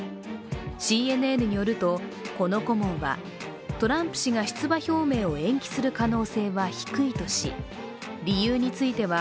ＣＮＮによると、この顧問はトランプ氏が出馬表明を延期する可能性は低いとし、理由については